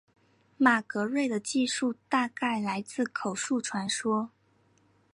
马格瑞的记述大概来自口述传说。